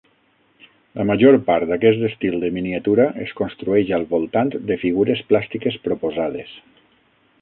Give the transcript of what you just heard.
La major part d'aquest estil de miniatura es construeix al voltant de figures plàstiques proposades.